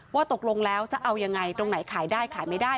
ว่าตกลงแล้วจะเอายังไงตรงไหนขายได้ขายไม่ได้